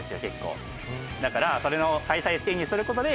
だからそれの開催資金にすることで。